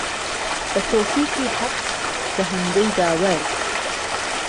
به تۆفیقی ههق دهههندەی داوەر